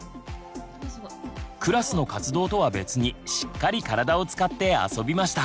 クラスの活動とは別にしっかり体を使って遊びました。